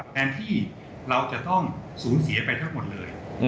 แทนที่เราจะต้องสูญเสียไปทั้งหมดเลย